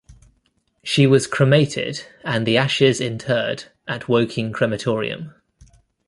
She was cremated and the ashes interred at Woking crematorium.